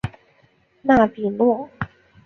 纳比诺。